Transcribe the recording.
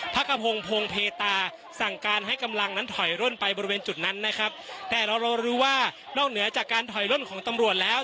พระกระพงพงเพตาสั่งการให้กำลังนั้นถอยร่นไปบริเวณจุดนั้นนะครับแต่เราเรารู้ว่านอกเหนือจากการถอยร่นของตำรวจแล้ว